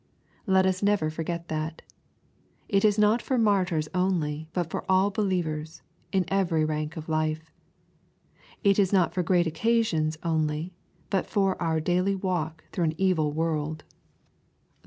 Let us never forget that. It is not for martyrs only, but for all believ ers, in every rank of life. It is not for great occasions only, I'ut for our daily walk through an evil world. Tho LUKE, CHAP. XII.